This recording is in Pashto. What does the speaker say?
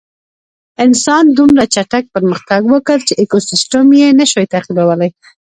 انسان دومره چټک پرمختګ وکړ چې ایکوسېسټم یې نهشوی تعقیبولی.